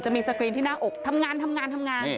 มีสกรีนที่หน้าอกทำงานทำงานทำงานทำงาน